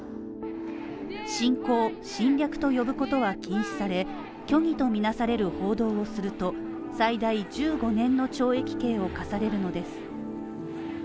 侵攻、侵略と呼ぶことは禁止され虚偽と見なされる報道をすると最大１５年の懲役刑を科されるのです。